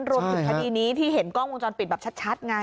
รวมถึงคดีนี้ที่เห็นกล้องวงจรปิดแบบชัดไง